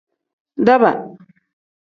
Daaba.